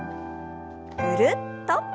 ぐるっと。